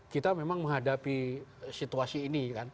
kita memang menghadapi situasi ini